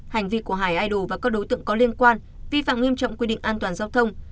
hành vi của hải idol và các đối tượng có liên quan vi phạm nghiêm trọng quy định an toàn giao thông